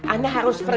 anda harus pergi